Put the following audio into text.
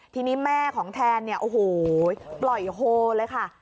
ทีนี้แม่ของแทนเนี่ยโอ้โหปล่อยโฮเลยค่ะ